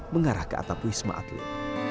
mengarah ke atap wisma atlet